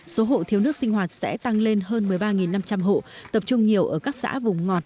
số hộ thiếu nước sinh hoạt sẽ tăng lên hơn một mươi ba năm trăm linh hộ tập trung nhiều ở các xã vùng ngọt